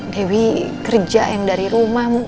dewi kerja yang dari rumah